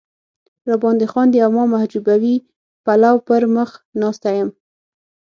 را باندې خاندي او ما محجوبوي پلو پر مخ ناسته یم.